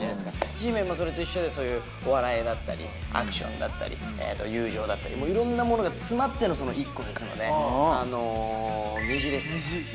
Ｇメンもそれと一緒で、そういうお笑いだったり、アクションだったり、友情だったり、いろんなものが詰まっての１個ですので、虹です。